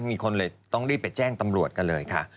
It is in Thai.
มีคนเลยต้องรีบไปแจ้งตำรวจกันเลยค่ะ